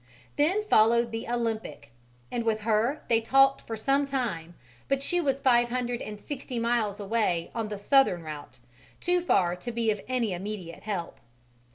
Then followed the Olympic, and with her they talked for some time, but she was five hundred and sixty miles away on the southern route, too far to be of any immediate help.